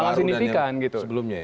sangat signifikan gitu